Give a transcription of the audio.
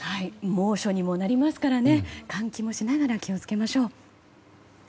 猛暑にもなりますから換気もしながら気を付けましょう。